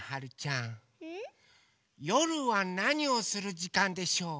よるはなにをするじかんでしょう？